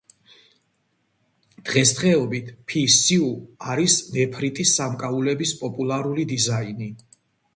დღესდღეობით, ფი-სიუ არის ნეფრიტის სამკაულების პოპულარული დიზაინი.